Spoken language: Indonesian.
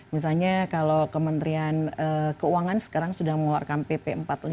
misalnya kalau kementerian keuangan sekarang sudah mengeluarkan pp empat puluh lima